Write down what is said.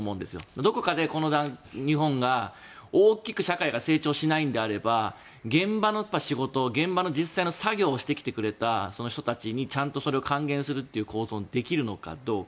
どこかで、この日本が大きく社会が成長しないのであれば現場の仕事現場の実際の作業をしてきてくれた人たちにちゃんとそれを還元するという構造にできるのかどうか。